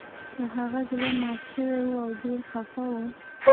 د هغه زړه مات شوی و او ډیر خفه و